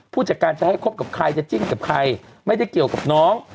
ผู้จัดการจะให้คบกับใครจะจิ้นกับใครไม่ได้เกี่ยวกับน้อง